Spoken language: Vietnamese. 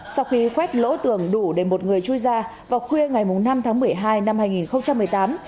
sau khi quét lỗ tường đủ để một người chui ra vào khuya ngày năm tháng một mươi hai năm hai nghìn một mươi tám